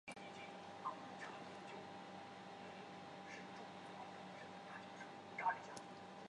可用作起爆剂。